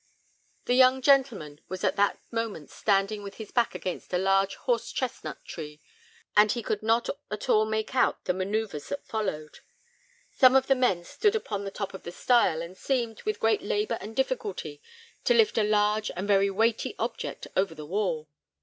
The young gentleman was at that moment standing with his back against a large horse chestnut tree, and he could not at all make out the man[oe]uvres that followed. Some of the men stood upon the top of the stile, and seemed, with great labour and difficulty, to lift a large and very weighty object over the wall.